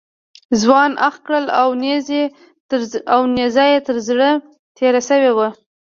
ځوان اخ کړل او نیزه یې تر زړه تېره شوې وه.